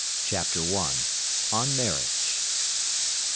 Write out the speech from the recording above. CHAPTER I. ON MARRIAGE.